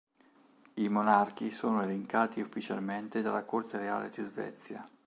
I monarchi sono elencati ufficialmente dalla corte reale di Svezia.